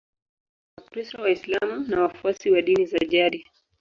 Dini kubwa ni Wakristo, Waislamu na wafuasi wa dini za jadi.